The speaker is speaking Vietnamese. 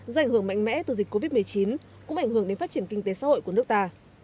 do ảnh hưởng mạnh mẽ từ dịch covid một mươi chín cũng ảnh hưởng đến phát triển kinh tế xã hội của nước ta